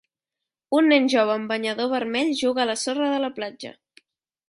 Un nen jove amb banyador vermell juga a la sorra de la platja.